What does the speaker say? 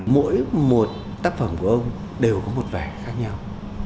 mỗi một tác phẩm của ông đều có một vẻ khác nhau